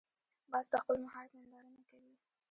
باز د خپل مهارت ننداره نه کوي